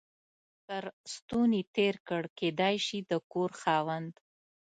تر ستوني تېر کړ، کېدای شي د کور خاوند.